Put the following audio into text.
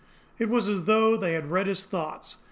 It was as though they had read his thoughts.